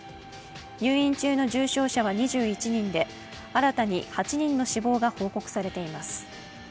入院中の重症者は２１人で新たに８人の死亡が報告されています。